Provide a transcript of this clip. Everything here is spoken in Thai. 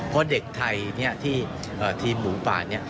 เพราะเด็กไทยที่ทีมหมูป่าเนี่ย